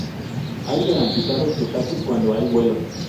Hay garantizados los taxis cuando hay vuelos.